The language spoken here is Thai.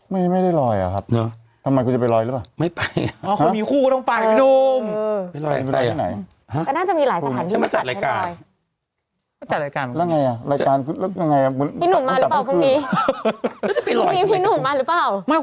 ไม่ได้ลอยอ่ะครับทำไมคุณจะไปลอยหรือเปล่า